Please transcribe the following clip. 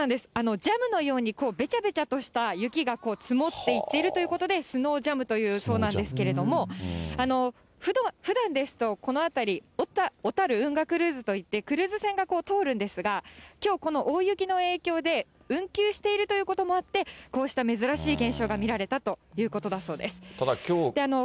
ジャムのようにべちゃべちゃとした雪が積もっていってるということで、スノージャムと言うそうなんですけれども、ふだんですと、この辺り、小樽運河クルーズといって、クルーズ船が通るんですが、きょうこの大雪の影響で、運休しているということもあって、こうした珍しい現象が見られたということだそうです。